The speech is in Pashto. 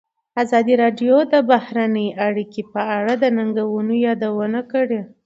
ازادي راډیو د بهرنۍ اړیکې په اړه د ننګونو یادونه کړې.